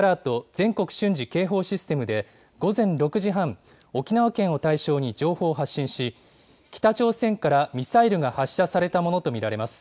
・全国瞬時警報システムで、午前６時半、沖縄県を対象に情報を発信し、北朝鮮からミサイルが発射されたものと見られます。